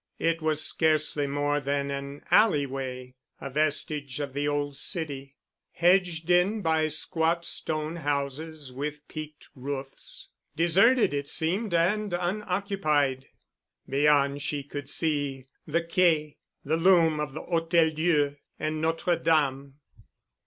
It was scarcely more than an alley way—a vestige of the old city, hedged in by squat stone houses with peaked roofs, deserted it seemed and unoccupied. Beyond she could see the Quai, the loom of the Hôtel Dieu and Notre Dame.